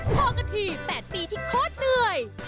พอกันที๘ปีที่โคตรเหนื่อย